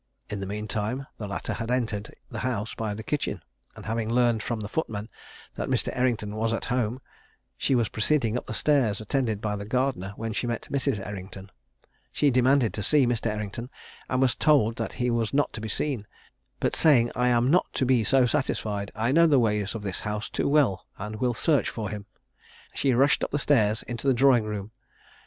In the mean time the latter had entered the house by the kitchen, and having learned from the footman that Mr. Errington was at home, she was proceeding up stairs, attended by the gardener, when she met Mrs. Errington. She demanded to see Mr. Errington, and was told that he was not to be seen, but saying "I am not to be so satisfied; I know the ways of this house too well, and will search for him:" she rushed up stairs into the drawing room.